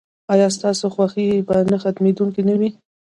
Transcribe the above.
ایا ستاسو خوښي به نه ختمیدونکې نه وي؟